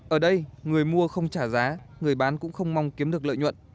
ở đây người mua không trả giá người bán cũng không mong kiếm được lợi nhuận